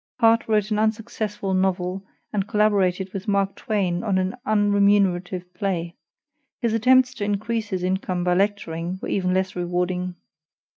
Harte wrote an unsuccessful novel and collaborated with Mark Twain on an unremunerative play. His attempts to increase his income by lecturing were even less rewarding.